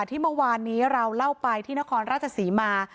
ที่เมื่อวานนี้เราเล่าไปที่นครราชศรีมา